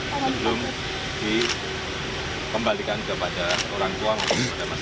belum dikembalikan kepada orang tua orang tua masyarakat